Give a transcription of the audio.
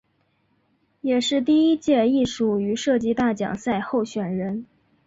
也是第一届艺术与设计大奖赛候选人。